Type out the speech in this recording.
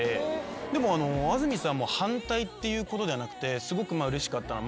でも安住さんも反対っていうことではなくてすごくうれしかったのは。